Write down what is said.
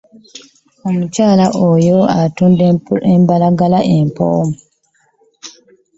Omukyala oyo atunda embalagala empoomu.